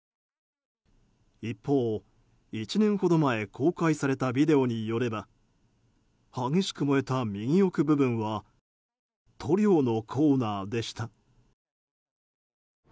一方、１年ほど前公開されたビデオによれば激しく燃えた右奥部分は塗料のコーナーでした。